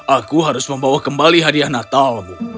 aku harus membawa kembali hadiah natalmu